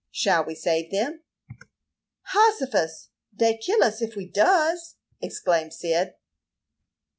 Shall we save them?" "Hossifus! Dey kill us ef we does," exclaimed Cyd.